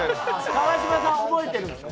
川島さん覚えてるんでしょ？